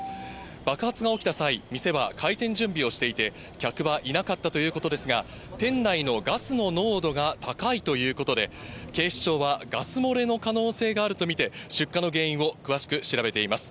爆発が起きた際、店は開店準備をしていて、客はいなかったということですが、店内のガスの濃度が高いということで、警視庁はガス漏れの可能性があると見て、出火の原因を詳しく調べています。